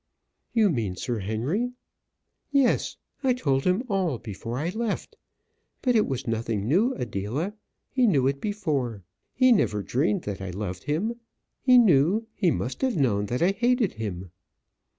"You mean Sir Henry?" "Yes, I told him all before I left. But it was nothing new, Adela. He knew it before. He never dreamed that I loved him. He knew, he must have known that I hated him."